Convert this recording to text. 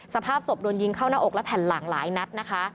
สภาพศพโดนยิงเข้าหน้าอกและแผ่นหลังหลายนัดนะคะ